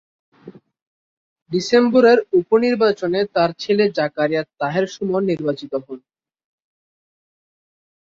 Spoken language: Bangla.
ডিসেম্বরের উপ-নির্বাচনে তার ছেলে জাকারিয়া তাহের সুমন নির্বাচিত হন।